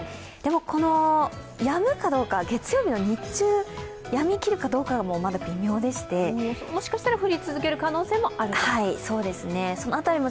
でも、やむかどうか、月曜日の日中やみきるかどうかももしかしたら振り続ける可能性もあると？